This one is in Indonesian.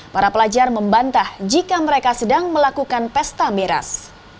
para pelajar membantah jika mereka sedang melakukan pesta miras